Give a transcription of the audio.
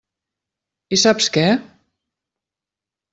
I saps què?